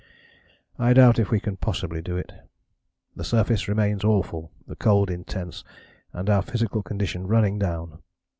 I doubt if we can possibly do it. The surface remains awful, the cold intense, and our physical condition running down.